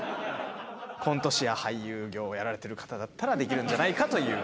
コント師や俳優業をやられてる方だったらできるんじゃないかという。